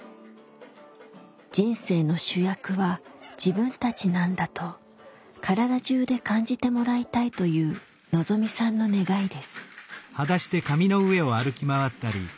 「人生の主役は自分たちなんだ」と体中で感じてもらいたいというのぞみさんの願いです。